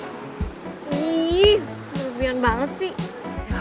ih berlebihan banget sih